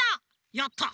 やった！